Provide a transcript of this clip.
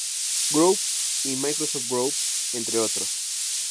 Groups y Microsoft Groups entre otros.